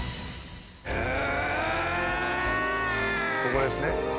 ここですね。